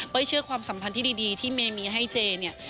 เชื่อความสัมพันธ์ที่ดีที่เมย์มีให้เจเนี่ย